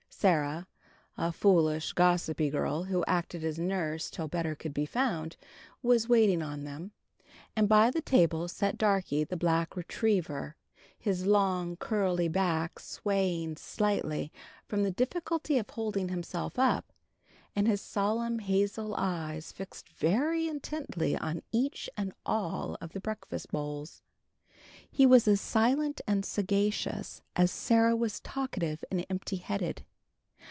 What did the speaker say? Sarah (a foolish, gossiping girl, who acted as nurse till better could be found) was waiting on them, and by the table sat Darkie, the black retriever, his long, curly back swaying slightly from the difficulty of holding himself up, and his solemn hazel eyes fixed very intently on each and all of the breakfast bowls. He was as silent and sagacious as Sarah was talkative and empty headed.